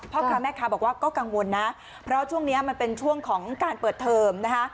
พ่อค้าแม่ค้าบอกว่าก็กังวลนะเพราะช่วงนี้มันเป็นช่วงของการเปิดเทอมนะคะ